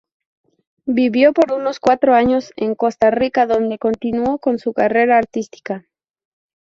Vivió por unos cuatro años en Costa Rica donde continuó con su carrera artística.